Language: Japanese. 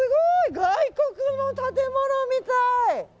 外国の建物みたい。